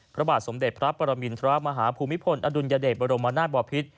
พระบาทสมเด็จพระปรมินทรมาภาพุมิผลอดุลยเดตบรมนาฏปวภิษฐ์